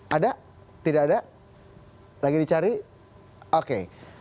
ada tidak ada lagi dicari oke